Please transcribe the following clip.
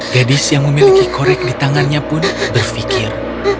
gadis yang memiliki korek di tangannya pun berpikir